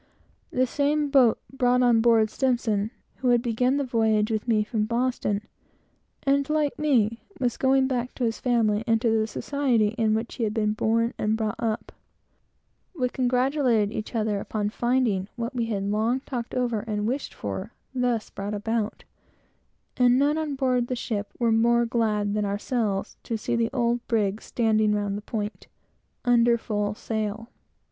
The same boat brought on board S , my friend, who had begun the voyage with me from Boston, and, like me, was going back to his family and to the society which we had been born and brought up in. We congratulated one another upon finding what we had long talked over and wished for, thus brought about; and none on board the ship were more glad than ourselves to see the old brig standing round the point, under full sail.